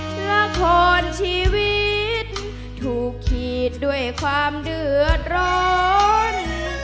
ละครชีวิตถูกขีดด้วยความเดือดร้อน